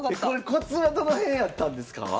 これコツはどの辺やったんですか？